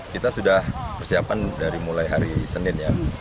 kita sudah persiapan dari mulai hari senin ya